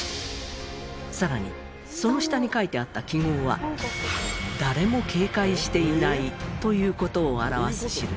さらにその下に書いてあった記号は誰も警戒していないという事を表す印。